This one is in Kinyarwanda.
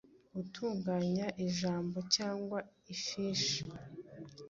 gutunganya ijambo cyangwa ifishi